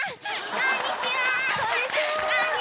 こんにちは！